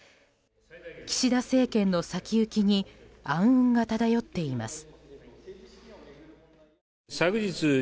岸田政権の先行きに暗雲が漂っています。